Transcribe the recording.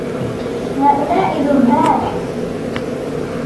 هَؤُلَاءِ زُهَّادٌ